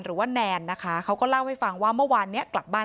แนนนะคะเขาก็เล่าให้ฟังว่าเมื่อวานเนี้ยกลับบ้าน